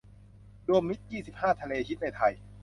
รวมมิตร ยี่สิบห้า ทะเลฮิตในไทย